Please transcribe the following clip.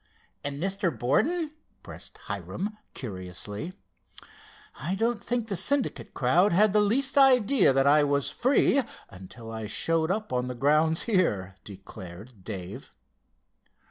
"And Mr. Borden?" pressed Hiram curiously. "I don't think the Syndicate crowd had the least idea that I was free until I showed up on the grounds here," declared Dave.